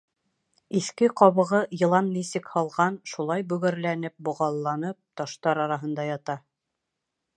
Иҫке ҡабығы, йылан нисек һалған, шулай бөгәрләнеп, боғалланып, таштар араһында ята.